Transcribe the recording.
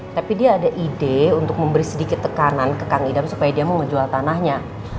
tapi dia ada ide untuk memberi sedikit tekanan ke kang idam supaya dia mau menjual tanahnya